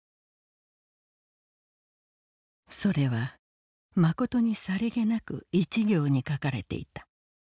「それはまことにさりげなく一行に書かれていた。